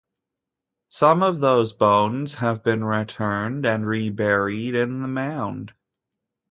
Some of those bones have been returned and reburied in the mound.